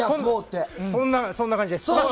そんな感じです。